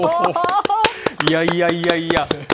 いやいやいやいや。